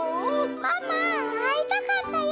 「ママあいたかったよ！